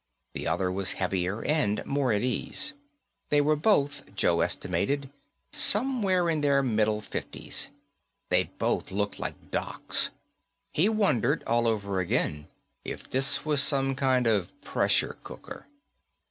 The other was heavier and more at ease. They were both, Joe estimated, somewhere in their middle fifties. They both looked like docs. He wondered, all over again, if this was some kind of pressure cooker.